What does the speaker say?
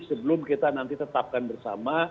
sebelum kita nanti tetapkan bersama